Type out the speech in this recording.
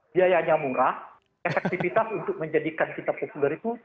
biayanya murah efektivitas untuk menjadikan kita populer itu